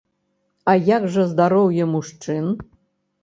А як жа здароўе мужчын?